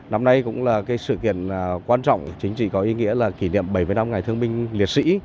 năm nay cũng là sự kiện quan trọng chính trị có ý nghĩa là kỷ niệm bảy mươi năm ngày thương binh liệt sĩ